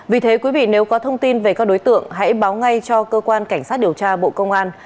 vì thế quý vị nếu có thông tin về các đối tượng hãy báo ngay cho cơ quan cảnh sát điều tra bộ công an